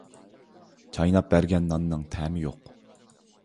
چايناپ بەرگەن ناننىڭ تەمى يوق.